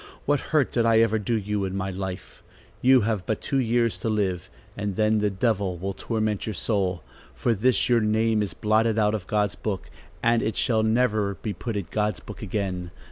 What hurt did I ever do you in my life? You have but two years to live, and then the devil will torment your soul, for this your name is blotted out of God's book, and it shall never be put in God's book again.